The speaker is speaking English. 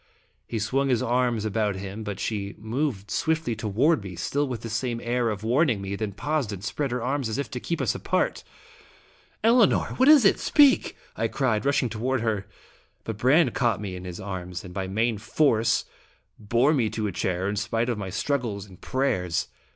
He swung his arms about him, but she moved swiftly toward me, still with the same air of warning me, then paused and spread her arms, as if to keep us apart. "Elinor! What is it? Speak!" I cried, rushing toward her. But Brande caught me in his arms, and by main force bore me to a chair in spite of my struggles and prayers.